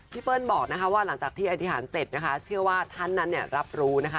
เปิ้ลบอกนะคะว่าหลังจากที่อธิษฐานเสร็จนะคะเชื่อว่าท่านนั้นเนี่ยรับรู้นะคะ